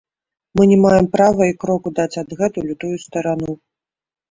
Мы не маем права і кроку даць адгэтуль у тую старану.